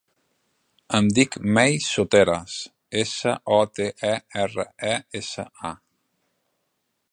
Em dic Mei Soteras: essa, o, te, e, erra, a, essa.